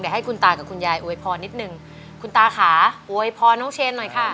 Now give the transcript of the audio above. เดี๋ยวให้คุณตากับคุณยายอวยพอนิดหนึ่งคุณตาขาอวยพอน้องเชนหน่อยค่ะ